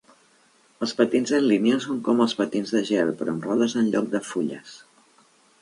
Els patins en línia són com els patins de gel, però amb rodes en lloc de fulles.